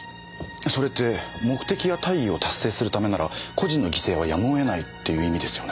それって目的や大義を達成するためなら個人の犠牲はやむを得ないっていう意味ですよね。